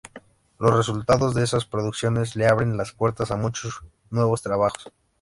Los resultados de esas producciones le abren las puertas a muchos nuevos trabajos.